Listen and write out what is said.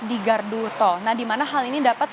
di gardu tol nah dimana hal ini dapat